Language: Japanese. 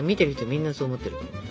みんなそう思ってるから。